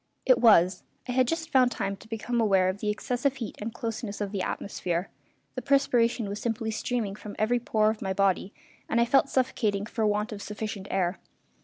It was. I had just found time to become aware of the excessive heat and closeness of the atmosphere. The perspiration was simply streaming from every pore of my body, and I felt suffocating for want of sufficient air.